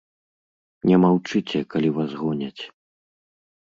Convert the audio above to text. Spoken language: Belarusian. Не маўчыце, калі вас гоняць.